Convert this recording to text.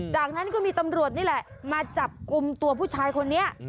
จากนั้นก็มีตำรวจนี่แหละมาจับกลุ่มตัวผู้ชายคนนี้